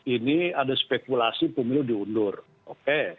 ini ada spekulasi pemilu diundur oke